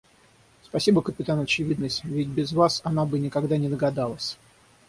Спасибо, капитан очевидность, ведь без вас она бы никогда не догадалась!